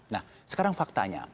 nah sekarang faktanya